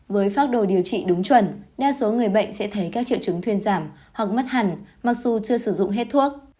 với pháp đồ điều trị đúng chuẩn đa số người bệnh sẽ thấy các triệu chứng thuyên giảm hoặc mất hẳn mặc dù chưa sử dụng hết thuốc